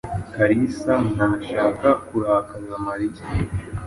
Kalisa ntashaka kurakaza Mariya.